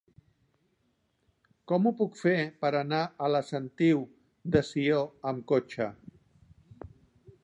Com ho puc fer per anar a la Sentiu de Sió amb cotxe?